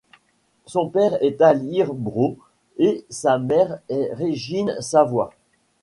Son père est Alyre Breau et sa mère est Régine Savoie.